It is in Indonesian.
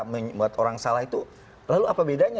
membuat orang salah itu lalu apa bedanya